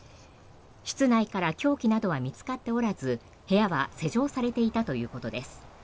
室内から凶器などは見つかっておらず部屋は施錠されていたということです。